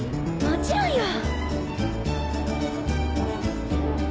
もちろんよ。